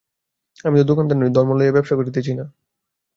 আমি তো দোকানদার নই, ধর্ম লইয়া ব্যবসা করিতেছি না।